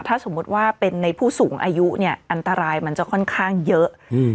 ถ้าสมมุติว่าเป็นในผู้สูงอายุเนี่ยอันตรายมันจะค่อนข้างเยอะ